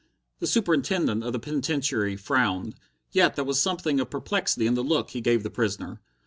The Superintendent of the penitentiary frowned, yet there was something of perplexity in the look he gave the prisoner.